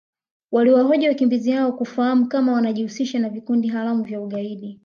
waliwahoji wakimbizi hao kufahamu kama wanajihusisha na vikundi haramu vya ugaidi